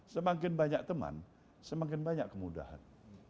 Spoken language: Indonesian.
semakin banyak teman semakin banyak kemudahan